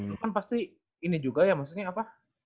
itu kan pasti ini juga ya